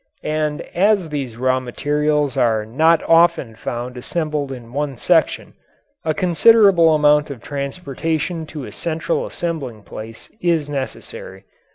And as these raw materials are not often found assembled in one section, a considerable amount of transportation to a central assembling place is necessary.